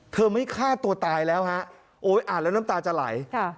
ไม่ฆ่าตัวตายแล้วฮะโอ๊ยอ่านแล้วน้ำตาจะไหล